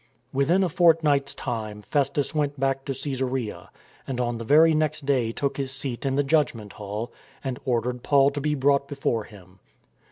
Within a fortnight's time, Festus went back to Caesarea, and on the very next day took his seat in the Judgment Hall and ordered Paul to be brought be fore him.